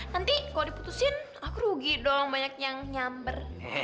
nanti kalau diputuskan aku rugi dong banyak yang nyamper